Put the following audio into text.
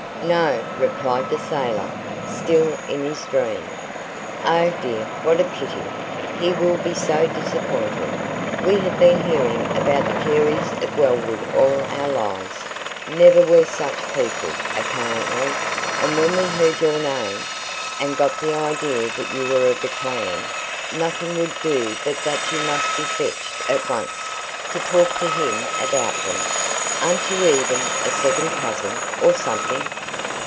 "No," replied the sailor, still in his dream. "Oh, dear, what a pity! He will be so disappointed. We have been hearing about the Careys of Wellwood all our lives never were such people, apparently and when he heard your name, and got the idea that you were of the clan, nothing would do but that you must be fetched at once, to talk to him about them. Aren't you even a second cousin, or something?"